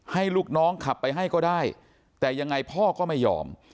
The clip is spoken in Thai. ให้ลูกน้องขับไปให้ก็ได้แต่ยังไงพ่อก็ไม่ยอม